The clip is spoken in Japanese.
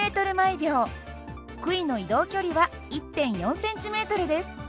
杭の移動距離は１．４ｃｍです。